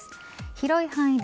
広い範囲で